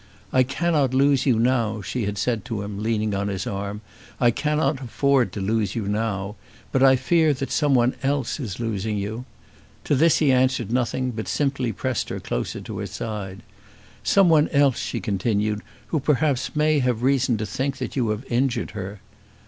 "I cannot lose you now," she had said to him, leaning on his arm; "I cannot afford to lose you now. But I fear that someone else is losing you." To this he answered nothing, but simply pressed her closer to his side. "Someone else," she continued, "who perhaps may have reason to think that you have injured her."